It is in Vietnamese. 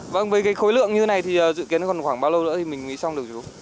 vâng với cái khối lượng như thế này thì dự kiến còn khoảng bao lâu nữa thì mình mới xong được chú